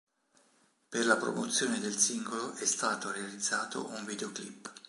Per la promozione del singolo è stato realizzato un videoclip.